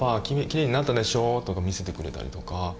きれいになったでしょ」とか見せてくれたりとか。